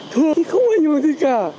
thường thì không phải như thế cả